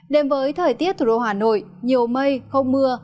đến với thời tiết thủ đô hà nội nhiều mây không mưa